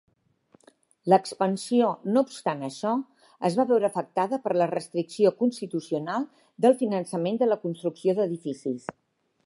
L'expansió, no obstant això, es va veure afectada per la restricció constitucional del finançament de la construcció d'edificis.